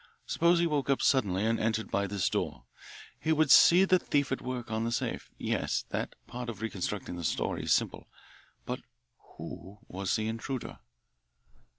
Suppose he woke up suddenly and entered by this door. He would see the thief at work on the safe. Yes, that part of reconstructing the story is simple. But who was the intruder?"